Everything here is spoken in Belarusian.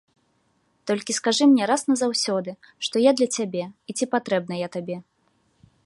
Толькі скажы мне раз назаўсёды, што я для цябе і ці патрэбна я табе.